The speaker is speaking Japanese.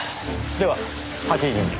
では８時に。